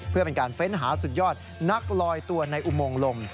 เพื่อเป็นการเฟ้นหาสุดยอดนักลอยตัวในอุโมงลม